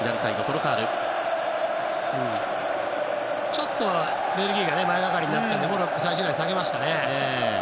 ちょっとベルギーが前がかりになったのでモロッコは最終ラインを下げましたね。